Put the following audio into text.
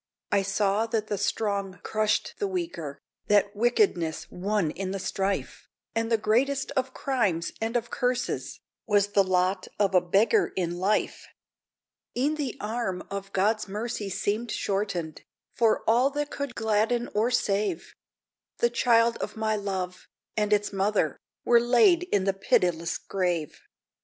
I saw that the strong crushed the weaker, That wickedness won in the strife, And the greatest of crimes and of curses Was the lot of a beggar in life! E'en the arm of God's mercy seemed shortened, For all that could gladden or save; The child of my love, and its mother, Were laid in the pitiless grave!